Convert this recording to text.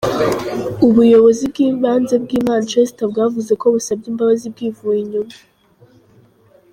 Ubuyobozi bw’ibanze bw’i Manchester bwavuze ko "busabye imbabazi bwivuye inyuma.